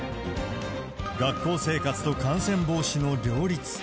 学校生活と感染防止の両立。